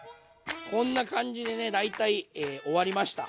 こんな感じでね大体終わりました。